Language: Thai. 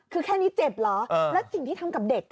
คือแค่นี้เจ็บเหรอแล้วสิ่งที่ทำกับเด็ก